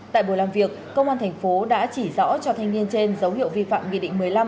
tại buổi làm việc công an thành phố đã chỉ rõ cho thanh niên trên dấu hiệu vi phạm nghị định một mươi năm